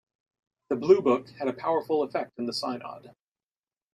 The Blue Book had a powerful effect in the Synod.